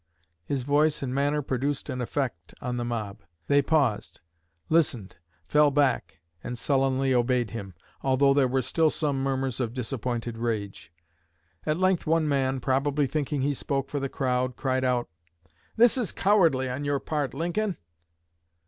His voice and manner produced an effect on the mob. They paused, listened, fell back, and sullenly obeyed him, although there were still some murmurs of disappointed rage. At length one man, probably thinking he spoke for the crowd, cried out: "This is cowardly on your part, Lincoln!"